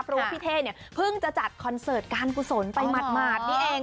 เพราะว่าพี่เท่เนี่ยเพิ่งจะจัดคอนเสิร์ตการกุศลไปหมาดนี่เอง